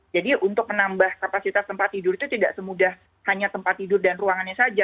jadi untuk menambah kapasitas tempat tidur itu tidak semudah hanya tempat tidur dan ruangannya saja